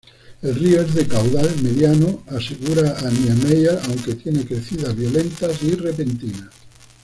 El río es de caudal mediano, asegura Niemeyer, aunque tiene crecidas violentas y repentinas.